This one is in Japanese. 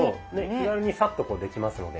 気軽にサッとできますので。